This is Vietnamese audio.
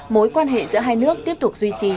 mối quan hệ giữa hai nước tiếp tục duy trì